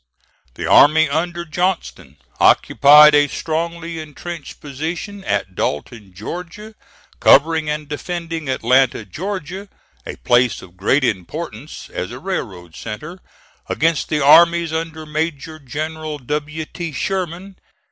The army under Johnston occupied a strongly intrenched position at Dalton, Georgia, covering and defending Atlanta, Georgia, a place of great importance as a railroad centre, against the armies under Major General W. T. Sherman.